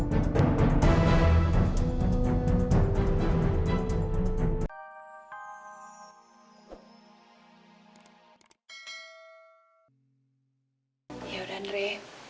sekarang kan masalah udah kelar semua